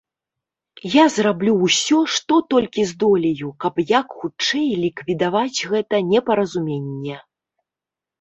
Я зраблю ўсё, што толькі здолею, каб як хутчэй ліквідаваць гэта непаразуменне.